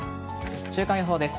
週間予報です。